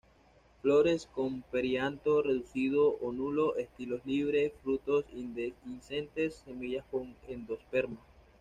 Flores con perianto reducido o nulo, estilos libres, frutos indehiscentes, semillas con endosperma.